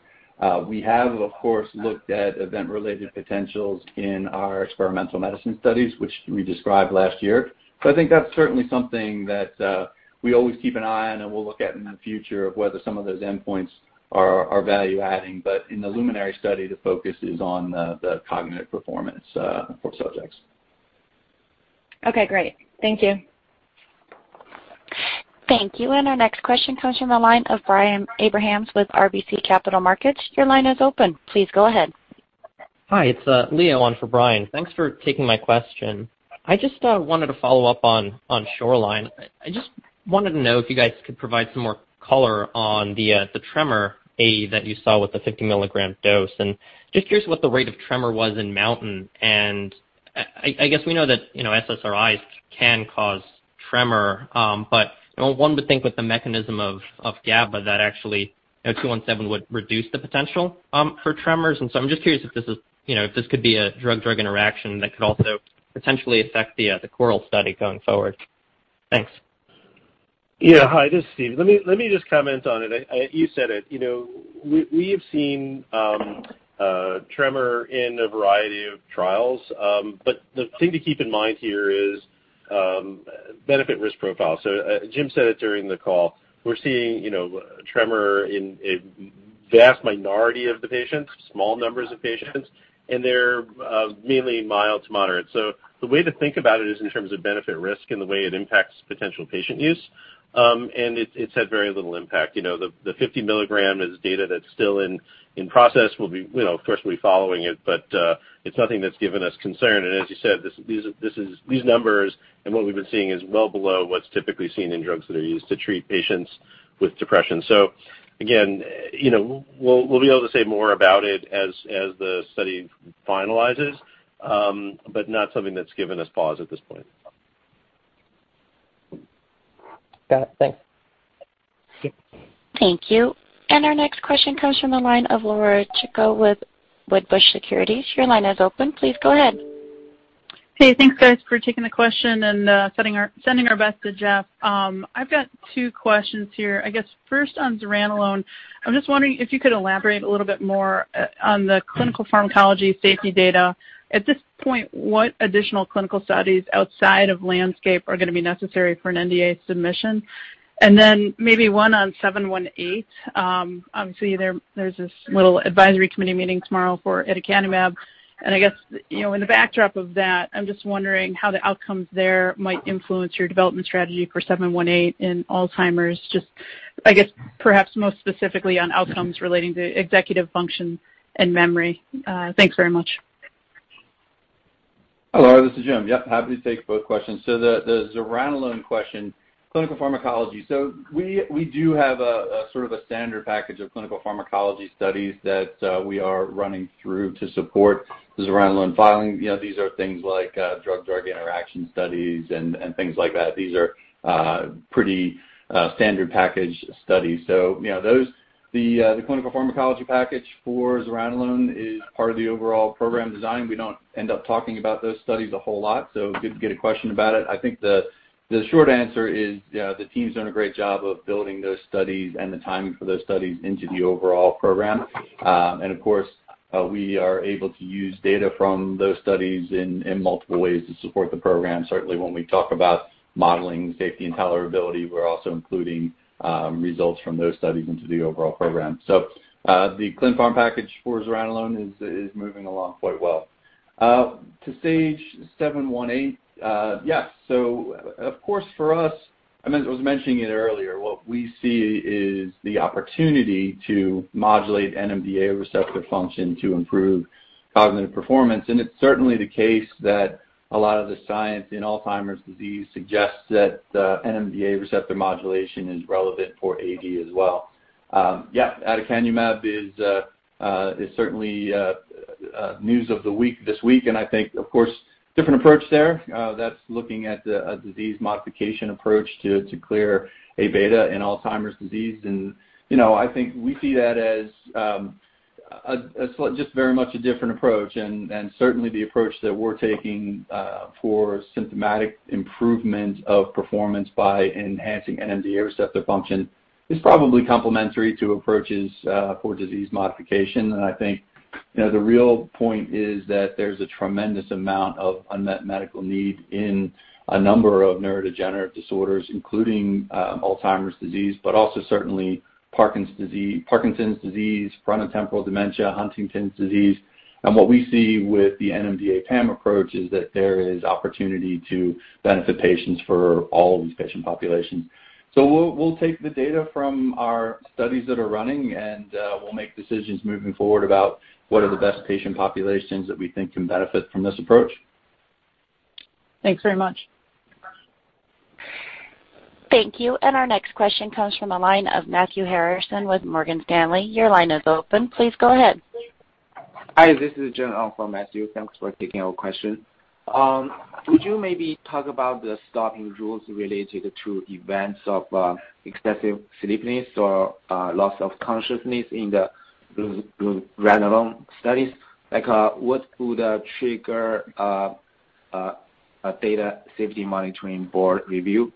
We have, of course, looked at event-related potentials in our experimental medicine studies, which we described last year. I think that's certainly something that we always keep an eye on and we'll look at in the future of whether some of those endpoints are value-adding. In the LUMINARY study, the focus is on the cognitive performance for subjects. Okay, great. Thank you. Thank you. Our next question comes from the line of Brian Abrahams with RBC Capital Markets. Your line is open. Please go ahead. Hi, it's Leonid on for Brian. Thanks for taking my question. I just wanted to follow up onSHORELINE. I just wanted to know if you guys could provide some more color on the tremor AE that you saw with the 50 mg dose, and just curious what the rate of tremor was in MOUNTAIN. I guess we know that SSRIs can cause tremor, but one would think with the mechanism of GABA that actually 217 would reduce the potential for tremors. I'm just curious if this could be a drug interaction that could also potentially affect the CORAL study going forward. Thanks. Hi, this is Steve. Let me just comment on it. You said it. We have seen tremor in a variety of trials, the thing to keep in mind here is benefit-risk profile. Jim said it during the call. We're seeing tremor in a vast minority of the patients, small numbers of patients, and they're mainly mild to moderate. The way to think about it is in terms of benefit-risk and the way it impacts potential patient use, it's had very little impact. The 50 mg is data that's still in process. We'll of course, be following it's nothing that's given us concern. As you said, these numbers and what we've been seeing is well below what's typically seen in drugs that are used to treat patients with depression. Again, we'll be able to say more about it as the study finalizes, but not something that's given us pause at this point. Got it. Thanks. Thank you. Our next question comes from the line of Laura Chico with Wedbush Securities. Your line is open. Please go ahead. Hey, thanks guys for taking the question and sending our best to Jeff. I've got two questions here. I guess first on zuranolone, I'm just wondering if you could elaborate a little bit more on the clinical pharmacology safety data. At this point, what additional clinical studies outside of LANDSCAPE are going to be necessary for an NDA submission? Maybe one on SAGE-718. Obviously, there's this little advisory committee meeting tomorrow for aducanumab, and I guess, in the backdrop of that, I'm just wondering how the outcomes there might influence your development strategy for SAGE-718 in Alzheimer's just, I guess, perhaps most specifically on outcomes relating to executive function and memory. Thanks very much. Laura, this is Jim. Yep, happy to take both questions. The zuranolone question, clinical pharmacology. We do have a sort of a standard package of clinical pharmacology studies that we are running through to support the zuranolone filing. These are things like drug-drug interaction studies and things like that. These are pretty standard package studies. The clinical pharmacology package for zuranolone is part of the overall program design. We don't end up talking about those studies a whole lot, good to get a question about it. I think the short answer is, the team's done a great job of building those studies and the timing for those studies into the overall program. Of course, we are able to use data from those studies in multiple ways to support the program. Certainly, when we talk about modeling safety and tolerability, we're also including results from those studies into the overall program. The clin pharm package for zuranolone is moving along quite well. To SAGE-718. Of course for us, I was mentioning it earlier, what we see is the opportunity to modulate NMDA receptor function to improve cognitive performance, and it's certainly the case that a lot of the science in Alzheimer's disease suggests that NMDA receptor modulation is relevant for AD as well. Aducanumab is certainly news of the week this week, and I think, of course, different approach there. That's looking at a disease modification approach to clear Aβ in Alzheimer's disease. I think we see that as just very much a different approach, and certainly the approach that we're taking for symptomatic improvement of performance by enhancing NMDA receptor function is probably complementary to approaches for disease modification. I think the real point is that there's a tremendous amount of unmet medical need in a number of neurodegenerative disorders, including Alzheimer's disease, but also certainly Parkinson's disease, frontotemporal dementia, Huntington's disease. What we see with the NMDA PAM approach is that there is opportunity to benefit patients for all of these patient populations. We'll take the data from our studies that are running, and we'll make decisions moving forward about what are the best patient populations that we think can benefit from this approach. Thanks very much. Thank you. Our next question comes from the line of Matthew Harrison with Morgan Stanley. Your line is open. Please go ahead. Hi, this is Jiunn. I'm from Matthew. Thanks for taking our question. Could you maybe talk about the stopping rules related to events of excessive sleepiness or loss of consciousness in the zuranolone studies? Like what would trigger a data safety monitoring board review?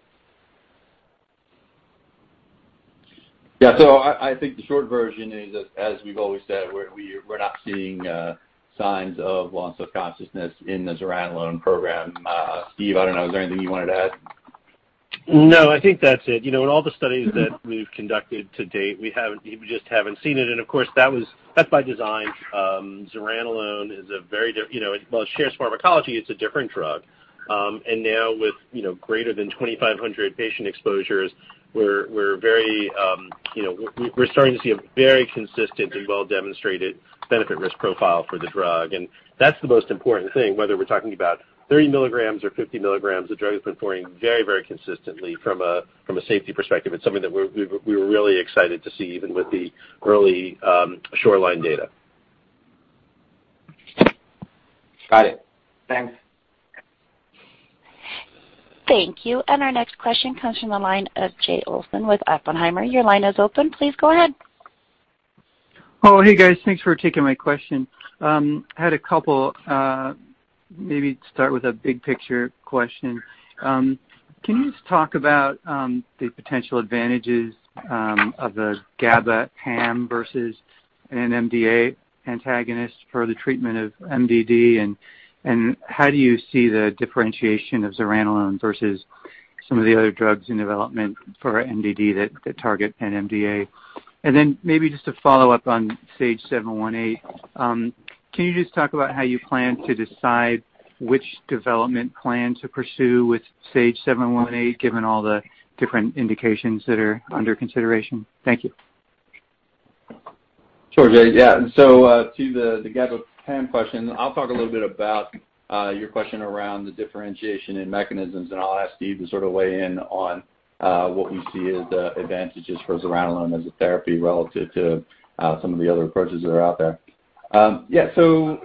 Yeah. I think the short version is, as we’ve always said, we’re not seeing signs of loss of consciousness in the zuranolone program. Steve, I don’t know, is there anything you wanted to add? No, I think that's it. In all the studies that we've conducted to date, we just haven't seen it. Of course, that's by design. zuranolone, while it shares pharmacology, it's a different drug. Now with greater than 2,500 patient exposures, we're starting to see a very consistent and well-demonstrated benefit risk profile for the drug, and that's the most important thing, whether we're talking about 30 milligrams or 50 milligrams, the drug has been performing very consistently from a safety perspective. It's something that we were really excited to see even with the earlySHORELINE data. Got it. Thanks. Thank you. Our next question comes from the line of Jay Olson with Oppenheimer. Your line is open. Please go ahead. Oh, hey guys. Thanks for taking my question. I had a couple. Maybe start with a big picture question. Can you just talk about the potential advantages of the GABA PAM versus an NMDA antagonist for the treatment of MDD, and how do you see the differentiation of zuranolone versus some of the other drugs in development for MDD that target NMDA? Then maybe just to follow up on SAGE-718, can you just talk about how you plan to decide which development plan to pursue with SAGE-718 given all the different indications that are under consideration? Thank you. Sure, Jay. Yeah. To the GABA PAM question, I'll talk a little bit about your question around the differentiation in mechanisms, and I'll ask Steve to sort of weigh in on what we see as advantages for zuranolone as a therapy relative to some of the other approaches that are out there. Yeah.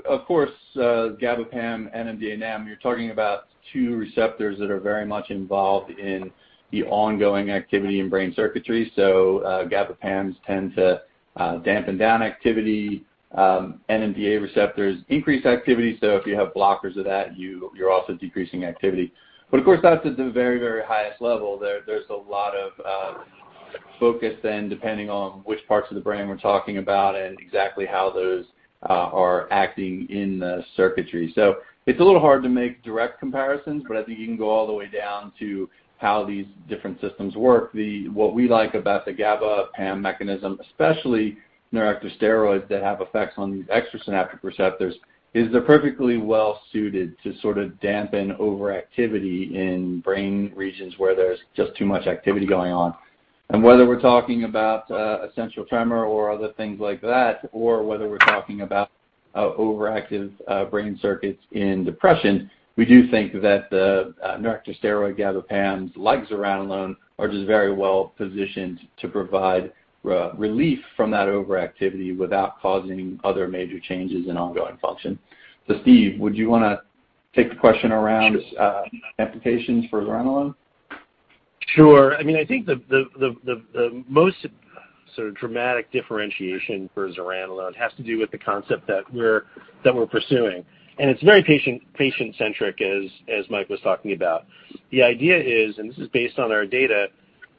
Of course, GABA PAM, NMDA NAM, you're talking about two receptors that are very much involved in the ongoing activity in brain circuitry. GABA PAMs tend to dampen down activity, NMDA receptors increase activity. If you have blockers of that, you're also decreasing activity. Of course, that's at the very, very highest level. There's a lot of focus then, depending on which parts of the brain we're talking about and exactly how those are acting in the circuitry. It's a little hard to make direct comparisons, but I think you can go all the way down to how these different systems work. What we like about the GABA PAM mechanism, especially neuroactive steroids that have effects on these extrasynaptic receptors, is they're perfectly well-suited to sort of dampen overactivity in brain regions where there's just too much activity going on. Whether we're talking about essential tremor or other things like that, or whether we're talking about overactive brain circuits in depression, we do think that the neuroactive steroid GABA PAMs, like zuranolone, are just very well positioned to provide relief from that overactivity without causing other major changes in ongoing function. Steve, would you want to take the question around applications for zuranolone? Sure. I think the most sort of dramatic differentiation for zuranolone has to do with the concept that we're pursuing. It's very patient-centric, as Mike was talking about. The idea is, and this is based on our data,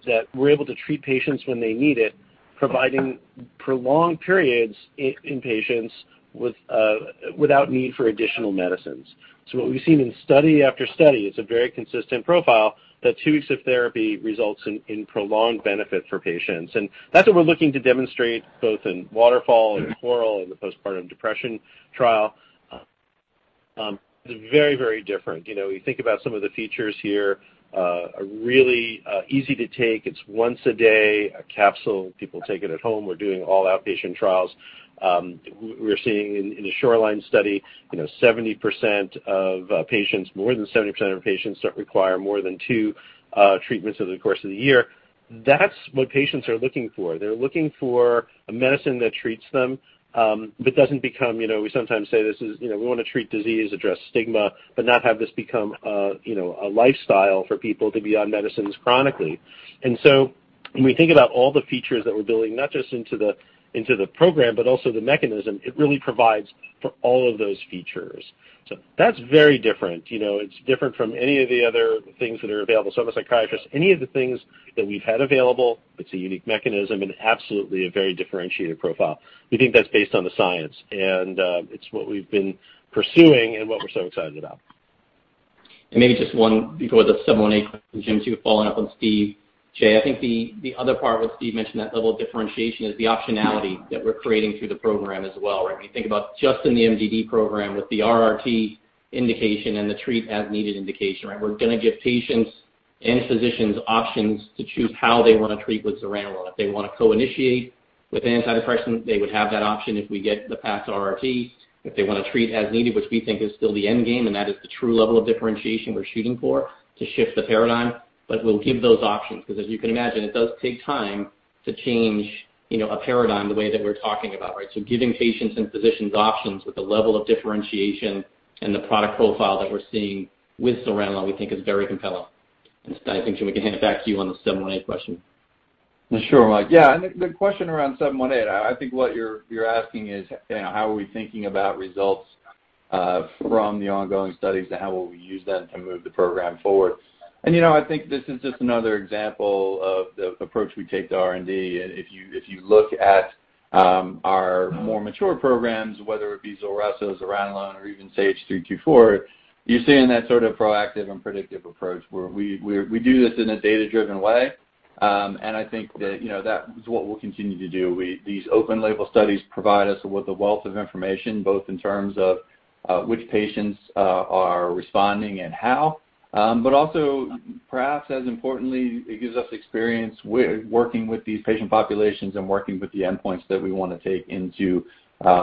that we're able to treat patients when they need it, providing prolonged periods in patients without need for additional medicines. What we've seen in study after study, it's a very consistent profile, that two weeks of therapy results in prolonged benefit for patients. That's what we're looking to demonstrate both in WATERFALL and CORAL and the postpartum depression trial. It's very different. You think about some of the features here, are really easy to take. It's once a day, a capsule. People take it at home. We're doing all outpatient trials. We're seeing in theSHORELINE study, more than 70% of patients don't require more than two treatments over the course of the year. That's what patients are looking for. They're looking for a medicine that treats them, but we sometimes say we want to treat disease, address stigma, but not have this become a lifestyle for people to be on medicines chronically. When we think about all the features that we're building, not just into the program, but also the mechanism, it really provides for all of those features. That's very different. It's different from any of the other things that are available. As a psychiatrist, any of the things that we've had available, it's a unique mechanism and absolutely a very differentiated profile. We think that's based on the science, and it's what we've been pursuing and what we're so excited about. Maybe just one, before the 718 question, Jim, so following up on Steve, Jay, I think the other part what Steve mentioned, that level of differentiation, is the optionality that we're creating through the program as well, right. When you think about just in the MDD program with the RRT indication and the treat-as-needed indication, right. We're going to give patients and physicians options to choose how they want to treat with zuranolone. If they want to co-initiate with an antidepressant, they would have that option if we get the path to RRT. If they want to treat as needed, which we think is still the end game, and that is the true level of differentiation we're shooting for to shift the paradigm. We'll give those options because as you can imagine, it does take time to change a paradigm the way that we're talking about, right. Giving patients and physicians options with the level of differentiation and the product profile that we're seeing with zuranolone, we think is very compelling. I think, Jim, we can hand it back to you on the 718 question. Sure, Mike. Yeah. The question around SAGE-718, I think what you're asking is how are we thinking about results from the ongoing studies, and how will we use them to move the program forward? I think this is just another example of the approach we take to R&D. If you look at our more mature programs, whether it be ZULRESSO, zuranolone, or even SAGE-324, you're seeing that sort of proactive and predictive approach where we do this in a data-driven way. I think that is what we'll continue to do. These open label studies provide us with a wealth of information, both in terms of which patients are responding and how. Also, perhaps as importantly, it gives us experience working with these patient populations and working with the endpoints that we want to take into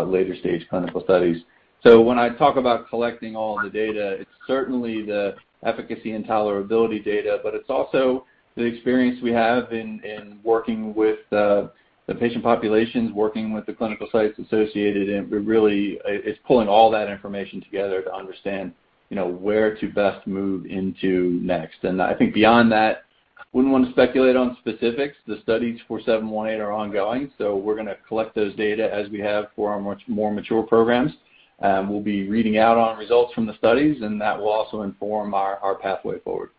later stage clinical studies. When I talk about collecting all the data, it's certainly the efficacy and tolerability data, but it's also the experience we have in working with the patient populations, working with the clinical sites associated, and really it's pulling all that information together to understand where to best move into next. I think beyond that, wouldn't want to speculate on specifics. The studies for 718 are ongoing, so we're going to collect those data as we have for our more mature programs. We'll be reading out on results from the studies, and that will also inform our pathway forward.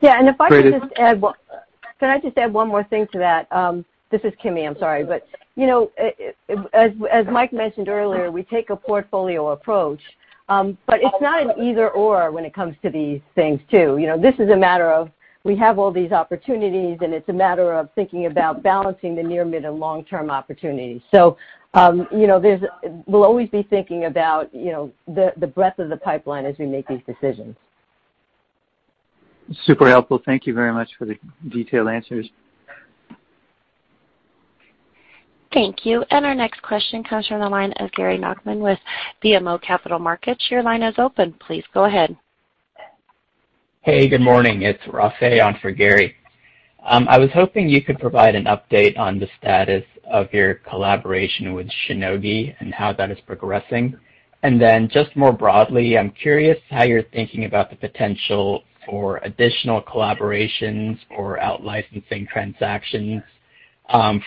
If I could just add one more thing to that? This is Kimi. I'm sorry. As Mike mentioned earlier, we take a portfolio approach. It's not an either/or when it comes to these things, too. This is a matter of, we have all these opportunities, and it's a matter of thinking about balancing the near, mid, and long-term opportunities. We'll always be thinking about the breadth of the pipeline as we make these decisions. Super helpful. Thank you very much for the detailed answers. Thank you. Our next question comes from the line of Gary Nachman with BMO Capital Markets. Your line is open. Please go ahead. Hey, good morning. It's Rafay on for Gary. I was hoping you could provide an update on the status of your collaboration with Shionogi and how that is progressing. Just more broadly, I'm curious how you're thinking about the potential for additional collaborations or out-licensing transactions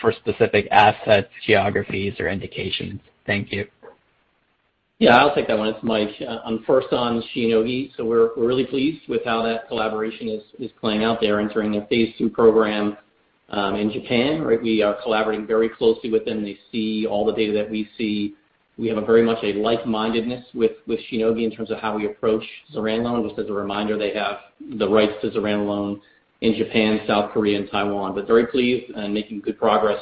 for specific assets, geographies, or indications. Thank you. Yeah, I'll take that one. It's Mike. First on Shionogi. We're really pleased with how that collaboration is playing out. They're entering a phase II program in Japan. We are collaborating very closely with them. They see all the data that we see. We have very much a like-mindedness with Shionogi in terms of how we approach zuranolone. Just as a reminder, they have the rights to zuranolone in Japan, South Korea, and Taiwan. Very pleased and making good progress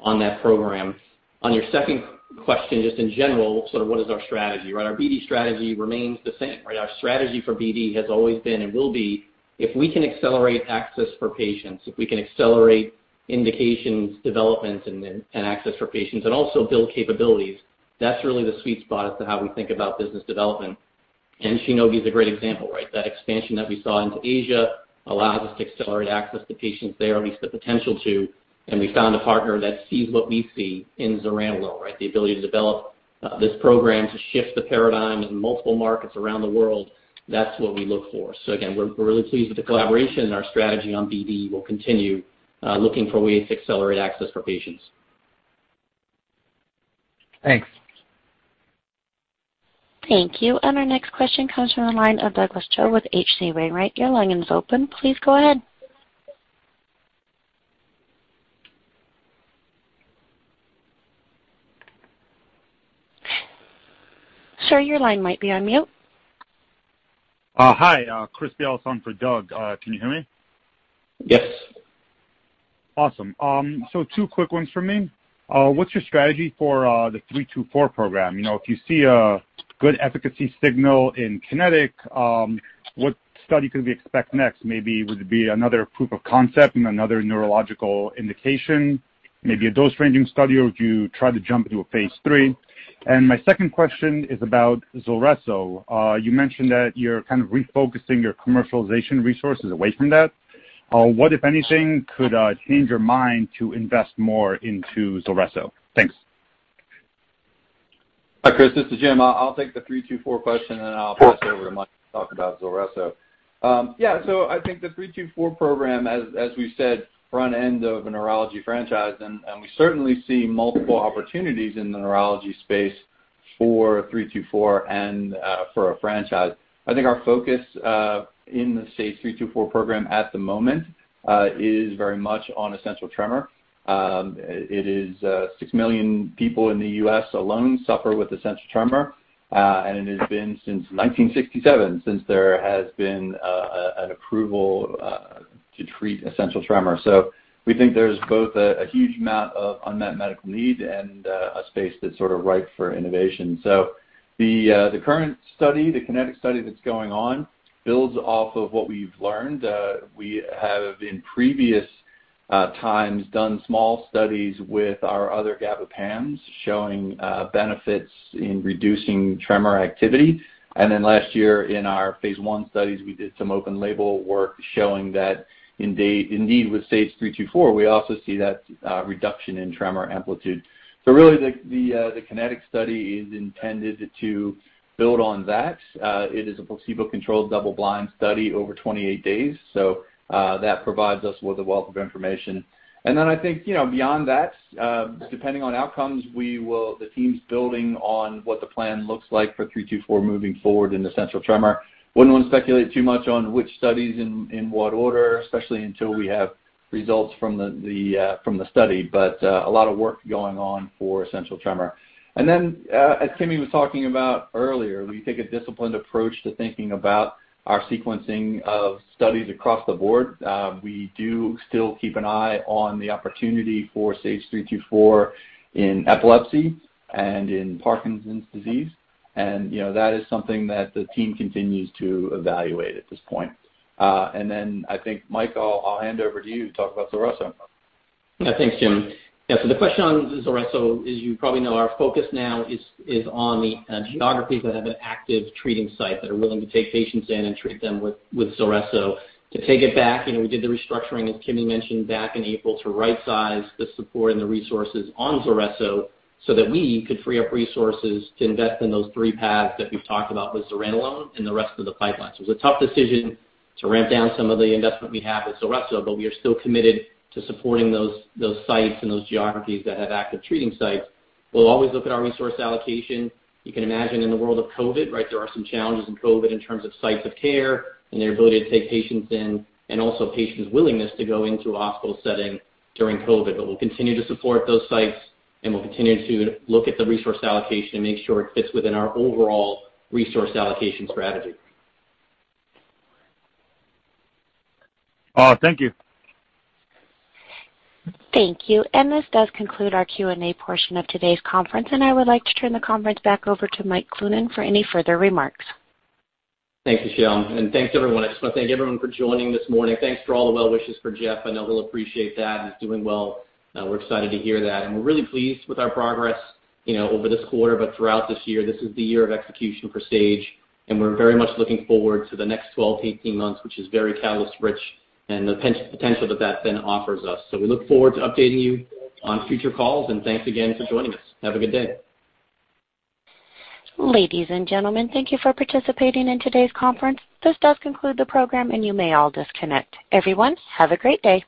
on that program. On your second question, just in general, sort of what is our strategy, right? Our BD strategy remains the same, right? Our strategy for BD has always been and will be, if we can accelerate access for patients, if we can accelerate indications, development, and access for patients and also build capabilities, that's really the sweet spot as to how we think about business development. Shionogi is a great example, right? That expansion that we saw into Asia allows us to accelerate access to patients there, or at least the potential to, and we found a partner that sees what we see in zuranolone, right? The ability to develop this program to shift the paradigm in multiple markets around the world. That's what we look for. Again, we're really pleased with the collaboration and our strategy on BD. We'll continue looking for ways to accelerate access for patients. Thanks. Thank you. Our next question comes from the line of Douglas Tsao with H.C. Wainwright. Your line is open. Please go ahead. Sir, your line might be on mute. Hi. Chris Bialas for Doug. Can you hear me? Yes. Awesome. Two quick ones from me. What's your strategy for the 324 program? If you see a good efficacy signal in KINETIC, what study could we expect next? Maybe would it be another proof of concept in another neurological indication, maybe a dose ranging study, or do you try to jump to a Phase III? My second question is about ZULRESSO. You mentioned that you're kind of refocusing your commercialization resources away from that. What, if anything, could change your mind to invest more into ZULRESSO? Thanks. Hi, Chris. This is Jim. I'll take the SAGE-324 question, and then I'll pass it over to Mike to talk about ZULRESSO. Yeah. I think the SAGE-324 program, as we said, front end of a neurology franchise, we certainly see multiple opportunities in the neurology space for SAGE-324 and for a franchise. I think our focus in the SAGE-324 program at the moment is very much on essential tremor. 6 million people in the U.S. alone suffer with essential tremor. It has been since 1967 since there has been an approval to treat essential tremor. We think there's both a huge amount of unmet medical need and a space that's sort of ripe for innovation. The current study, the KINETIC study that's going on, builds off of what we've learned. We have, in previous times, done small studies with our other GABA PAMs showing benefits in reducing tremor activity. Last year in our phase I studies, we did some open label work showing that indeed with SAGE-324, we also see that reduction in tremor amplitude. Really the KINETIC study is intended to build on that. It is a placebo-controlled double-blind study over 28 days, so that provides us with a wealth of information. I think beyond that, depending on outcomes, the team's building on what the plan looks like for 324 moving forward in essential tremor. Wouldn't want to speculate too much on which studies in what order, especially until we have results from the study. A lot of work going on for essential tremor. As Kimi was talking about earlier, we take a disciplined approach to thinking about our sequencing of studies across the board. We do still keep an eye on the opportunity for SAGE-324 in epilepsy and in Parkinson's disease. That is something that the team continues to evaluate at this point. I think, Mike, I'll hand over to you to talk about ZULRESSO. Thanks, Jim. The question on ZULRESSO is, you know, our focus now is on the geographies that have an active treating site that are willing to take patients in and treat them with ZULRESSO. To take it back, we did the restructuring, as Kimi mentioned back in April, to right-size the support and the resources on ZULRESSO so that we could free up resources to invest in those three paths that we've talked about with zuranolone and the rest of the pipeline. It was a tough decision to ramp down some of the investment we have with ZULRESSO, but we are still committed to supporting those sites and those geographies that have active treating sites. We'll always look at our resource allocation. You can imagine in the world of COVID, right, there are some challenges in COVID in terms of sites of care and their ability to take patients in and also patients' willingness to go into a hospital setting during COVID. We'll continue to support those sites, and we'll continue to look at the resource allocation and make sure it fits within our overall resource allocation strategy. Thank you. Thank you. This does conclude our Q&A portion of today's conference, I would like to turn the conference back over to Mike Cloonan for any further remarks. Thank you, Michelle. Thanks, everyone. I just want to thank everyone for joining this morning. Thanks for all the well wishes for Jeff. I know he'll appreciate that and is doing well. We're excited to hear that. We're really pleased with our progress over this quarter, but throughout this year. This is the year of execution for Sage, and we're very much looking forward to the next 12-18 months, which is very catalyst rich and the potential that then offers us. We look forward to updating you on future calls, and thanks again for joining us. Have a good day. Ladies and gentlemen, thank you for participating in today's conference. This does conclude the program, and you may all disconnect. Everyone, have a great day.